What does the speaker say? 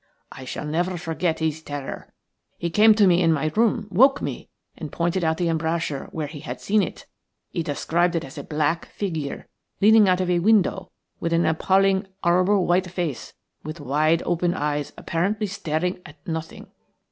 I shall never forget his terror. He came to me in my room, woke me, and pointed out the embrasure where he had seen it. He described it as a black figure leaning out of a window, with an appallingly horrible white face, with wide open eyes apparently staring at nothing.